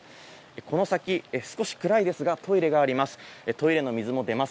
この先、少し暗いですがトイレがあります。